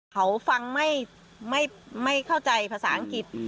เขาฟังไม่เข้าใจภาษาอังกฤษ